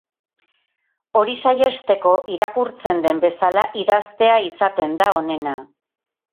Hori saihesteko, irakurtzen den bezala idaztea izaten da onena.